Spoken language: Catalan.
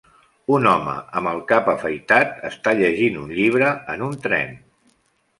Un home amb el cap afaitat està llegint un llibre en un tren.